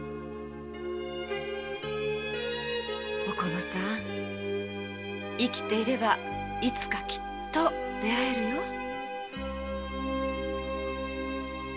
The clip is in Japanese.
おこのさん生きていればいつかきっと出会えるよ。